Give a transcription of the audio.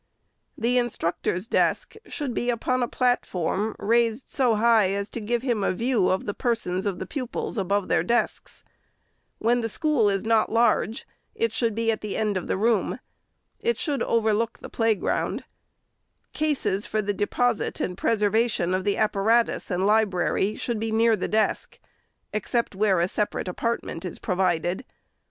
The instructor's desk should be upon a platform, raised so high as to give him a view of the persons of the pupils above their desks. When the school is not large, it 462 REPORT OP THE SECRETARY should be at the end of the room. It should overlook the play ground. Cases for the deposit and preservation of the apparatus and library should be near the desk, except where a separate apartment is provided.